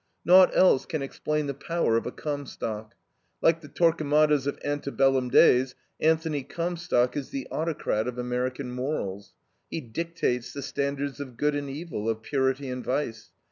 Naught else can explain the power of a Comstock. Like the Torquemadas of ante bellum days, Anthony Comstock is the autocrat of American morals; he dictates the standards of good and evil, of purity and vice.